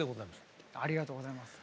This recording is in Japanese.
ありがとうございます。